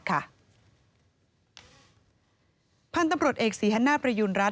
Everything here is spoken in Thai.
พันธุ์ตำรวจเอกสีฮันหน้าประยุนรัฐ